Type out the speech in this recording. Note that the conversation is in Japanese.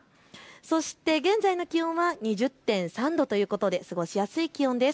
そして現在の気温は２０．３度ということで過ごしやすい気温です。